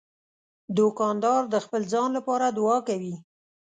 دوکاندار د خپل ځان لپاره دعا کوي.